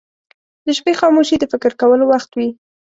• د شپې خاموشي د فکر کولو وخت وي.